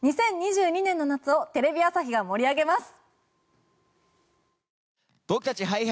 ２０２２年の夏をテレビ朝日が盛り上げます。